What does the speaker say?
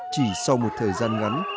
chỉ sau một thời gian